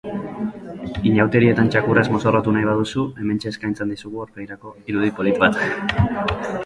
Inauterietan txakurrez mozorrotu nahi baduzu, hementxe eskaintzen dizugu aurpegirako irudi polit bat.